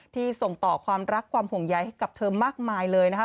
ส่งต่อความรักความห่วงใยให้กับเธอมากมายเลยนะคะ